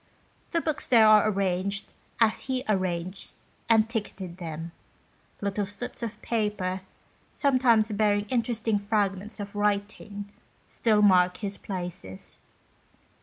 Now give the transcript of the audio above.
The books there are arranged as he arranged and ticketed them. Little slips of paper, some times bearing interesting fragments of writing, still mark his places.